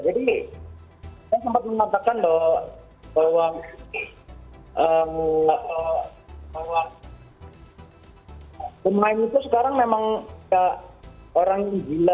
jadi saya sempat mengatakan bahwa pemain itu sekarang memang orang gila